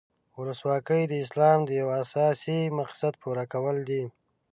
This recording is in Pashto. ولسواکي د اسلام د یو اساسي مقصد پوره کول دي.